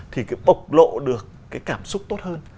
thì bộc lộ được cái cảm xúc tốt hơn